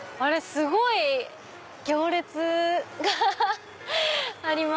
すごい行列がありますね。